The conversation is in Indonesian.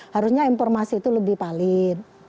harusnya informasi itu lebih valid